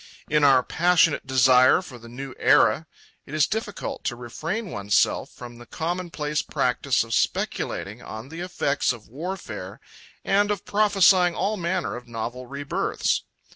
In our passionate desire for the new era, it is difficult to refrain oneself from the commonplace practice of speculating on the effects of warfare and of prophesying all manner of novel rebirths.